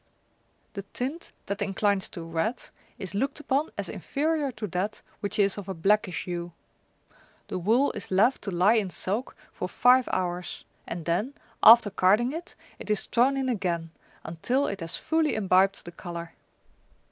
The tint that inclines to red is looked upon as inferior to that which is of a blackish hue. The wool is left to lie in soak for five hours, and then, after carding it, it is thrown in again, until it has fully imbibed the colour.